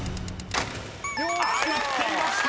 ［入っていました！